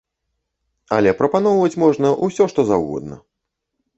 Але прапаноўваць можна ўсё што заўгодна.